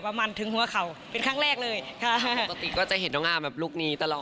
มาถึงหัวเข่าเป็นครั้งแรกเลยค่ะปกติก็จะเห็นน้องอาร์แบบลูกนี้ตลอด